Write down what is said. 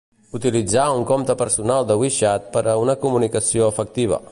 Utilitzar un compte personal de WeChat per a una comunicació efectiva.